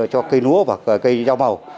cho cây lúa và cây rau màu